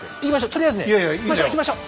とりあえずね行きましょ行きましょ。